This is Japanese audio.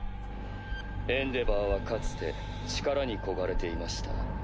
エンデヴァーはかつて力に焦がれていました。